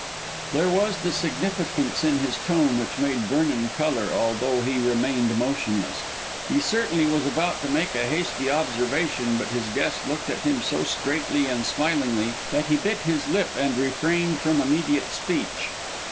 There was that significance in his tone which made Vernon colour, although he remained motionless. He certainly was about to make a hasty observation, but his guest looked at him so straightly and smilingly, that he bit his lip and refrained from immediate speech.